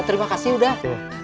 terima kasih udah